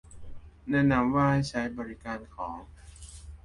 แนะนำว่าให้ใช้บริการของ